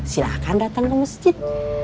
silahkan datang ke mesjid